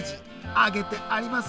揚げてあります。